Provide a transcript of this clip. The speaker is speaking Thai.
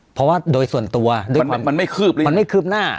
เพราะว่าโดยส่วนตัวมันไม่คืบหน้า